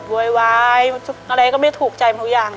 โวยวายอะไรก็ไม่ถูกใจทุกอย่าง